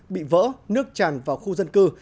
bị vỡ nước tràn vào khu dân cư